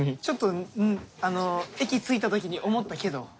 ちょっと駅着いた時に思ったけど。